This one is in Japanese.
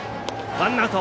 ワンアウト。